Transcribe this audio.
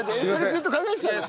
ずっと考えてたの？